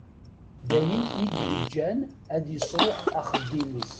D ayen i d-yeǧǧan ad yesruḥ axeddim-is.